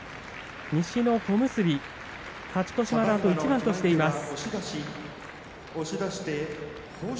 西の小結、勝ち越しまであと一番としています。